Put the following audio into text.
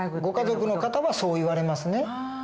ご家族の方はそう言われますね。